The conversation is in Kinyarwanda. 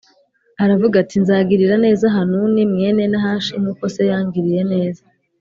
aravuga ati “Nzagirira neza Hanuni mwene Nahashi, nk’uko se yangiriye neza.”